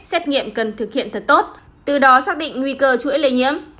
xét nghiệm cần thực hiện thật tốt từ đó xác định nguy cơ chuỗi lây nhiễm